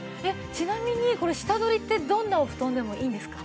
ちなみにこれ下取りってどんなお布団でもいいんですか？